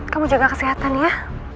kamu jaga kesehatan ya